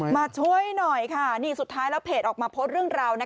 มาช่วยหน่อยค่ะนี่สุดท้ายแล้วเพจออกมาโพสต์เรื่องราว